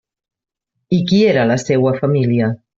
I qui era la seua família?